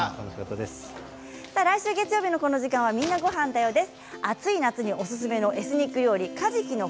来週月曜日のこの時間は、「みんな！ゴハンだよ」です。